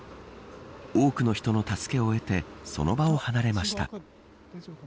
多くの人の助けを得てその場を離れました。